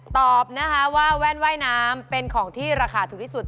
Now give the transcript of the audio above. ตอบนะคะว่าแว่นว่ายน้ำเป็นของที่ราคาถูกที่สุด